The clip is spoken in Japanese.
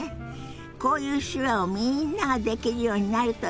こういう手話をみんなができるようになるといいわよね。